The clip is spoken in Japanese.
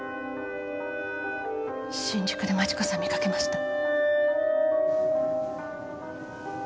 新宿で万智子さん見かけました。